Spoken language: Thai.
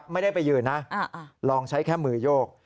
ไม่ได้ไปยืนนะลองใช้แค่มือโยก